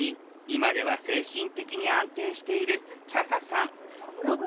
今では精神的に安定しているきゃささんラブラブ。